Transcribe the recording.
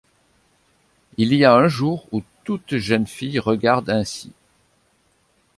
Il y a un jour où toute jeune fille regarde ainsi.